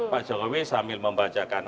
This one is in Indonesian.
pak jokowi sambil membacakan